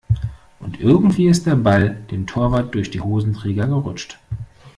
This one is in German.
Und irgendwie ist der Ball dem Torwart durch die Hosenträger gerutscht.